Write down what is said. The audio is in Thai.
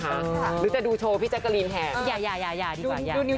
หลายคนอาจจะรู้สึกว่าเราควรแล้วโดยอายุหรือโดยอะไรอะไรอย่างนี้